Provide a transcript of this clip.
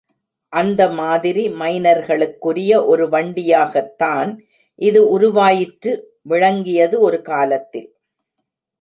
அந்த மாதிரி மைனர்களுக்குரிய ஒரு வண்டியாகத் தான் இது உருவாயிற்று விளங்கியது ஒரு காலத்தில்.